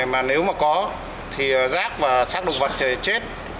mà nếu mà có thì rác và xác động vật chết